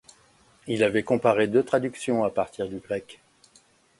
Il avait comparé deux traductions à partir du grec.